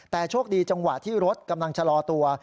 แต่โชคดีจังหวะที่รถกำลังชะลอตัว